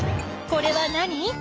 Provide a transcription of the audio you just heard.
これは何？